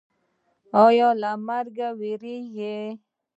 ایا له مرګ ویریږئ؟